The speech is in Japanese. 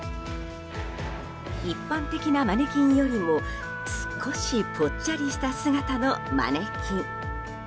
一般的なマネキンよりも少しぽっちゃりした姿のマネキン。